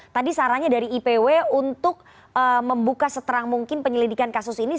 tadi sarannya dari ipw untuk membuka seterang mungkin penyelidikan kasus ini